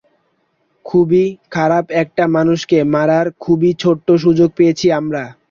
খুবই খারাপ একটা মানুষকে মারার খুবই ছোট্ট সুযোগ পেয়েছি আমরা।